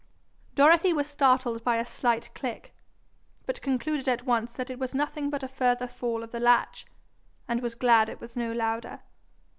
Dorothy was startled by a slight click, but concluded at once that it was nothing but a further fall of the latch, and was glad it was no louder.